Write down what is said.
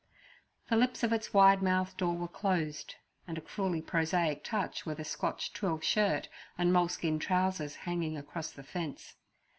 The lips of its wide mouthed door were closed, and a cruelly prosaic touch were the Scotch twill shirt and moleskin trousers hanging across the fence.